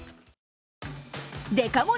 デカ盛り